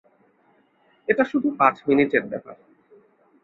এটা শুধু পাঁচ মিনিটের ব্যাপার।